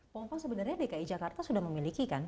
pompa sebenarnya dki jakarta sudah memiliki kan